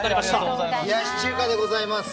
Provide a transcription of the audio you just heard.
冷やし中華でございます。